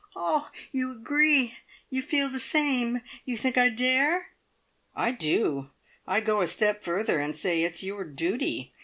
"Ah! You agree? You feel the same? You think I dare?" "I do. I go a step further, and say it's your duty.